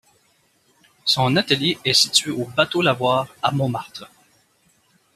Son atelier est situé au Bateau-Lavoir à Montmartre.